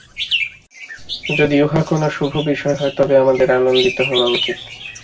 যদি উহা কোন শুভ বিষয় হয়, তবে আমাদের আনন্দিত হওয়া উচিত।